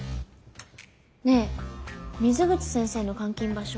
ねえ水口先生の監禁場所